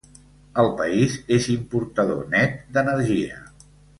El país és importador net d'energia.